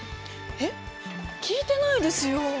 えっ聞いてないですよ。